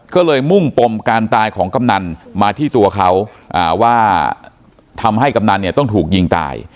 ก็เลยมุ่งปมการตายของกำนันมาที่ตัวเขาว่าทำให้กำนันเนี่ยต้องถูกยิงตาย